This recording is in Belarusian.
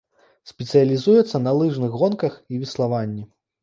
Спецыялізуецца на лыжных гонках і веславанні.